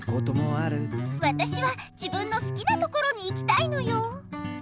わたしは自分の好きなところに行きたいのよ。